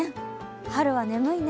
春は眠いね。